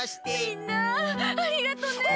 みんなありがとね。